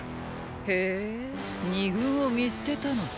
へー二軍を見捨てたのか。